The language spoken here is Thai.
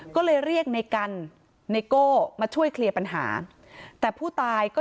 ก็เลยเรียกในกันไนโก้มาช่วยเคลียร์ปัญหาแต่ผู้ตายก็